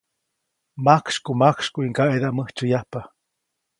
Majksykumajksykuʼy ŋgaʼedaʼm mäjtsyäyaju.